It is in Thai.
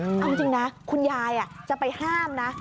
เอาจริงนะคุณยายจะไปห้ามนะ